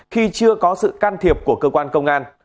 khi chưa có sự can thiệp của cơ quan công an